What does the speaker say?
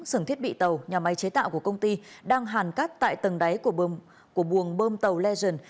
xưởng thiết bị tàu nhà máy chế tạo của công ty đang hàn cắt tại tầng đáy của buồng bơm tàu legend